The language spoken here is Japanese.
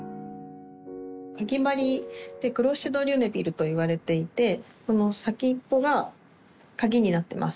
「クロシェ・ド・リュネビル」といわれていてこの先っぽがかぎになってます。